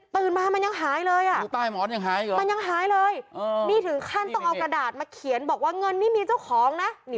ตื่นมามันยังหายเลยมันยังหายเลยนี่ถึงขั้นต้องเอากระดาษมาเขียนบอกว่าเงินนี่มีเจ้าของนะ